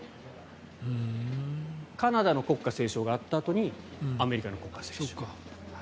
カナダの国歌斉唱があったあとにアメリカの国歌斉唱。